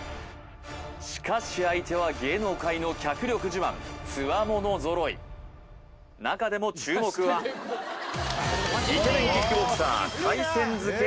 しかし相手は芸能界の脚力自慢つわもの揃い中でも注目はイケメンキックボクサー